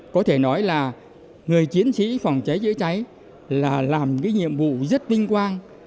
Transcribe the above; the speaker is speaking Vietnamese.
có thể nói là người chiến sĩ phòng cháy chữa cháy là làm cái nhiệm vụ rất vinh quang